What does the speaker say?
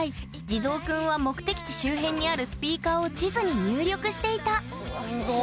地蔵くんは目的地周辺にあるスピーカーを地図に入力していたすご！